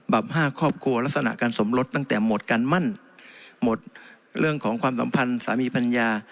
ห้าครอบครัวลักษณะการสมรสตั้งแต่หมดการมั่นหมดเรื่องของความสัมพันธ์สามีภรรยา